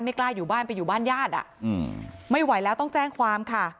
กล้าอยู่บ้านไปอยู่บ้านญาติไม่ไหวแล้วต้องแจ้งความค่ะ